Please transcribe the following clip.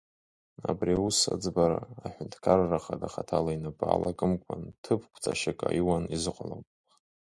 Абри аус аӡбара, Аҳәынҭқарра Ахада хаҭала инапы алакымкәан, ҭыԥ қәҵашьак аиуан изыҟалом.